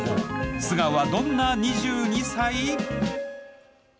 素顔はどんな２２歳？